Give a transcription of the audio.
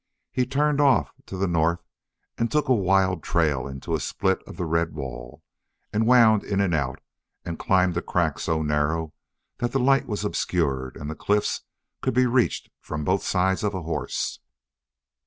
He turned off to the north and took a wild trail into a split of the red wall, and wound in and out, and climbed a crack so narrow that the light was obscured and the cliffs could be reached from both sides of a horse.